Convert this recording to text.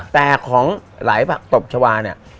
แต่ของหลายผักตบชาวาเนี่ย